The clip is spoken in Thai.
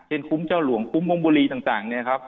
เช่นคุมเจ้าหลวงคุมมงบุรีต่าง